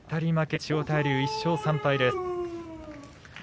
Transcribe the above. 千代大龍は１勝３敗です。